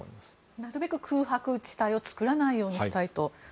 なるべく空白地帯を作らないようにしたいと。